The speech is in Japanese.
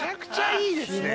いいですね